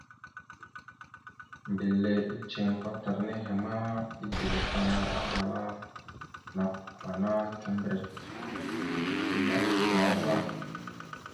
Mbile iceŋ kwatar nehe ma, ideŋfaŋa, ahala: « Nakw ana kimbirec naɗ da za? ».